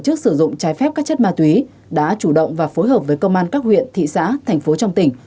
tổ chức sử dụng trái phép các chất ma túy đã chủ động và phối hợp với công an các huyện thị xã thành phố trong tỉnh